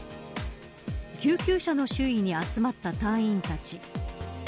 救急車の周囲に集まった隊員たち。